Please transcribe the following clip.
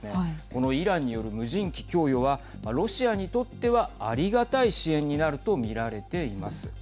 このイランによる無人機供与はロシアにとってはありがたい支援になると見られています。